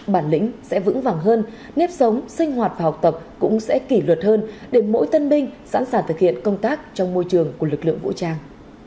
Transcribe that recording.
bản lĩnh sẽ vững vàng hơn nếp sống sinh hoạt và học tập cũng sẽ kỷ luật hơn để mỗi tân binh sẵn sàng thực hiện công tác trong môi trường của lực lượng vũ trang